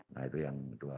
nah itu yang kedua